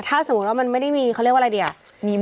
ถ้าสมมุติว่ามันไม่ได้มีเขาเรียกว่าอะไรดีอ่ะ